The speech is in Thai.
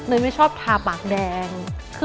ไม่ชอบทาปากแดง